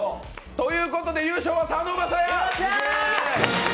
ということで優勝は佐野晶哉！